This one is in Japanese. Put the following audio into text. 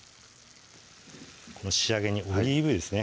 仕上げにオリーブ油ですね